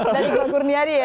dan ibu akurniari ya